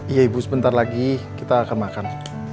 iya ibu sebentar lagi kita akan makan